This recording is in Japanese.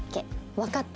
わかった。